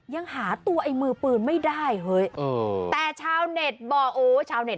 ยังหาตัวไอ้มือปืนไม่ได้เฮ้ยเออแต่ชาวเน็ตบอกโอ้ชาวเน็ต